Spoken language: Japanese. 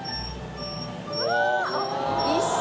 うわ！